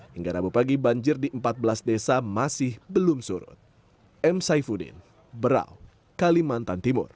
hingga rabu pagi banjir di empat belas desa masih belum surut